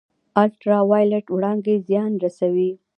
الټرا وایلیټ وړانګې زیان رسوي